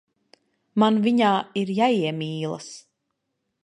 Man viņā ir jāiemīlas.